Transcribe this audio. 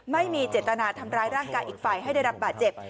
ไม่มีเจตนาทำร้ายร่างกายอีกฝ่ายให้ได้รับบาดเจ็บ